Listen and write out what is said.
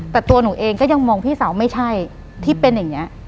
แต่ตัวหนูเองก็ยังมองพี่สาวไม่ใช่ที่เป็นอย่างนี้